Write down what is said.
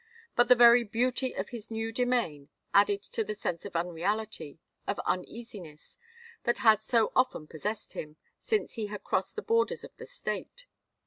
But the very beauty of his new domain added to the sense of unreality, of uneasiness, that had so often possessed him since he had crossed the borders of the State.